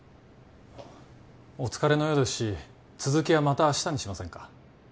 お疲れのようですし続きはまた明日にしませんか？